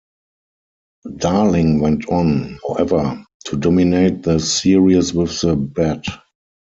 Darling went on, however, to dominate the series with the bat.